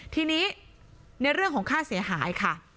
ทีนี้ในเรื่องของค่าเสียหายค่ะ